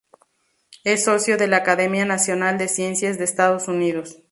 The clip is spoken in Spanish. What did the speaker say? Es socio de la Academia Nacional de Ciencias de Estados Unidos.